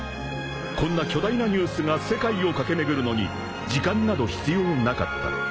［こんな巨大なニュースが世界を駆け巡るのに時間など必要なかった］